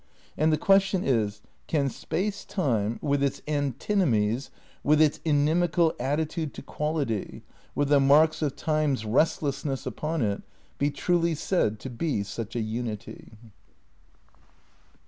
And the question is : Can Space Time, with its anti nomies, with its inimical attitude to quality, with the marks of Time's "restlessness" upon it, be truly said to be such a unity?